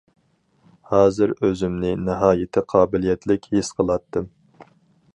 ھازىر ئۆزۈمنى ناھايىتى قابىلىيەتلىك ھېس قىلاتتىم.